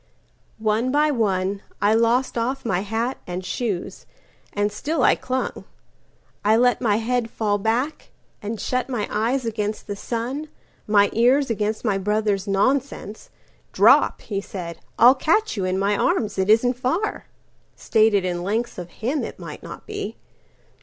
One by one I lost off my hat and shoes, And still I clung. I let my head fall back, And shut my eyes against the sun, my earsAgainst my brother's nonsense; "Drop," he said,"I'll catch you in my arms. It isn't far."(Stated in lengths of him it might not be.)